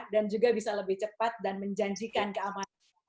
juga bisa lebih cepat dan menjanjikan keamanan